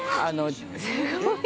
すごい。